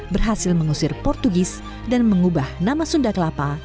berhasil mengusir portugis dan mengubah nama sunda kelapa